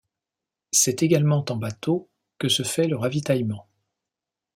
C'est également en bateau que se fait le ravitaillement.